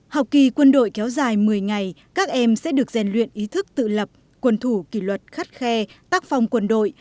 học kỳ quân đội kéo dài một mươi ngày các em sẽ được rèn luyện ý thức tự lập quân thủ kỷ luật khắt khe tác phong quân đội